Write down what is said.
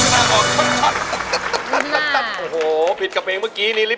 โหผิดกับเพลงเมื่อกี้